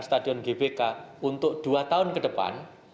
stadion gbk untuk dua tahun ke depan